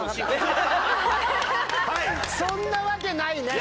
そんなわけないね！